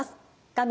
画面